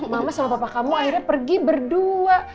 mama selalu bawa kamu akhirnya pergi berdua